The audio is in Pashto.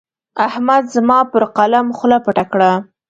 احمد زما پر قلم خوله پټه کړه.